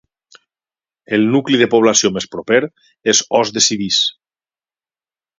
El nucli de població més proper és Os de Civís.